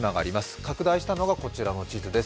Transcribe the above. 拡大したのが、こちらの地図です。